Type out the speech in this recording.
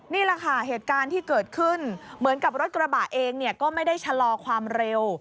นี่แหละค่ะเหตุการณ์ที่เกิดขึ้นเหมือนกับรถกระบะเองก็ไม่ได้ชะลอความเร็ว